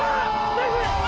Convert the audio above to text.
何これ！？